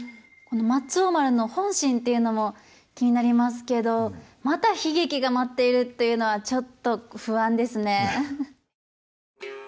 この松王丸の本心というのも気になりますけどまた悲劇が待っているっていうのはちょっと不安ですね。